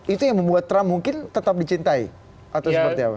itu yang membuat trump mungkin tetap dicintai atau seperti apa